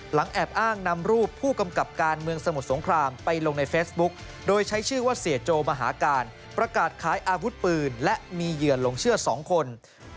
แอบอ้างนำรูปผู้กำกับการเมืองสมุทรสงครามไปลงในเฟซบุ๊คโดยใช้ชื่อว่าเสียโจมหาการประกาศขายอาวุธปืนและมีเหยื่อหลงเชื่อ๒คน